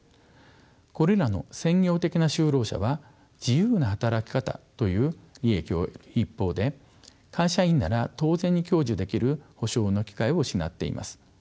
これらの専業的な就労者は自由な働き方という利益を得る一方で会社員なら当然に享受できる保障の機会を失っています。